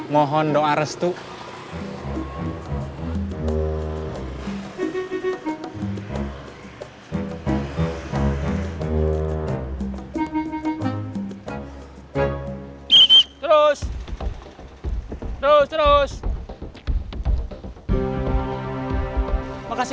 letaknya kayak kecepatan